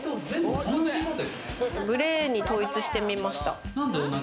グレーに統一してみました。